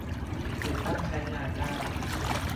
ติดตั้งใช้งานได้